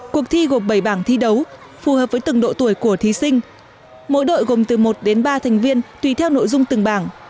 cuộc thi gồm bảy bảng thi đấu phù hợp với từng độ tuổi của thí sinh mỗi đội gồm từ một đến ba thành viên tùy theo nội dung từng bảng